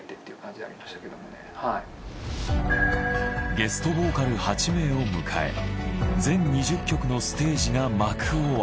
ゲストボーカル８名を迎え全２０曲のステージが幕を開ける。